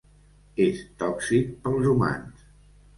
És tòxic pels humans.